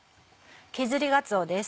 削りがつおです。